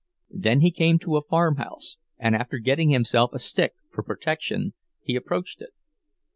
Then he came to a farm house, and after getting himself a stick for protection, he approached it.